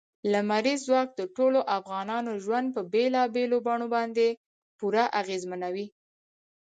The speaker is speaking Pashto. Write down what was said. لمریز ځواک د ټولو افغانانو ژوند په بېلابېلو بڼو باندې پوره اغېزمنوي.